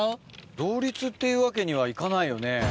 同率っていうわけにはいかないよね。